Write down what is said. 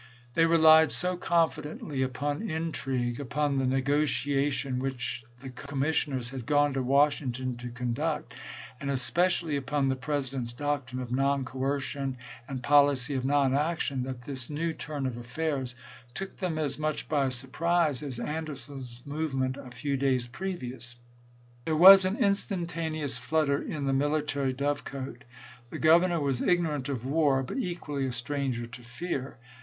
They relied so confidently upon intrigue, upon the " negotiation " which the commissioners had gone to Washington to conduct, and especially upon the President's doctrine of non coercion and policy of non action, that this new turn of affairs took them as much by surprise as Anderson's movement a few days previous. There was an instantaneous flutter in the military dove cote. The Governor was ignorant of war, but equally a stranger to fear.